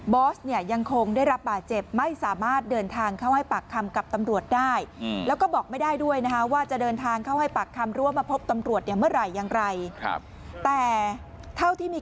บอสลายังคงได้รับป่าเจ็บไม่สามารถเดินทางเข้าให้ปักคำกับตำรวจได้